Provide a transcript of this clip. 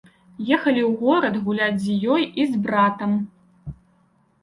Ехалі ў горад гуляць з ёй і з братам.